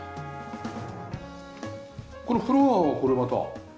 これフロアはこれまた。